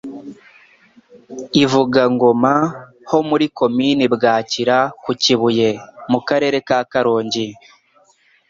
Ivugangoma ho muri Komini Bwakira ku Kibuye (Mukarere ka Karongi)